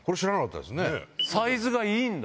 サイズがいいんだ